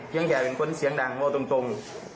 ก็แค่ถึงตรง